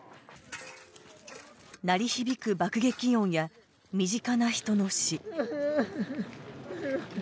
鳴り響く爆撃音や身近な人の死。